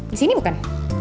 di sini bukan